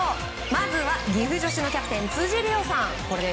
まずは、岐阜女子のキャプテン辻りおさん。